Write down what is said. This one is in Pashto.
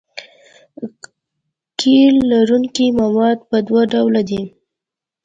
قیر لرونکي مواد په دوه ډوله دي